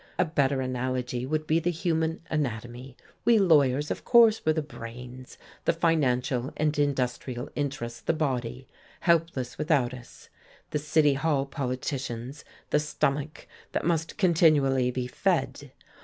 A better analogy would be the human anatomy: we lawyers, of course, were the brains; the financial and industrial interests the body, helpless without us; the City Hall politicians, the stomach that must continually be fed.